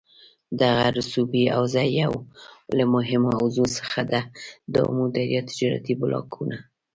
دغه رسوبي حوزه یوه له مهمو حوزو څخه ده دآمو دریا تجارتي بلاکونه